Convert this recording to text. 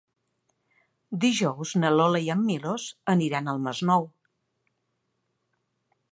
Dijous na Lola i en Milos aniran al Masnou.